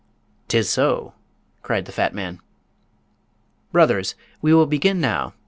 "'Tis so!" cried the fat man. "Brothers! we will begin now.